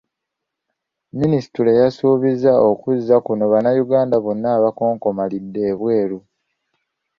Minisitule yasuubizza okuzza kuno Abanayuganda bonna abakyakonkomalidde ebweru.